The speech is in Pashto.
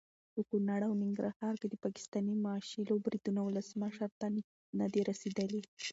په کنړ او ننګرهار کې د پاکستاني ملیشو بریدونه ولسمشر ته ندي رسېدلي.